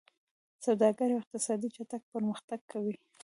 سوداګري او اقتصاد چټک پرمختګ کوي.